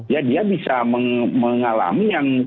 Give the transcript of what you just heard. ya dia bisa mengalami yang